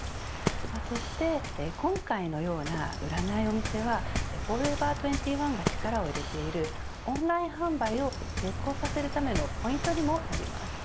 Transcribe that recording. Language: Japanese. そして、今回のような売らないお店はフォーエバー２１が力を入れているオンライン販売を成功させるためのポイントにもなります。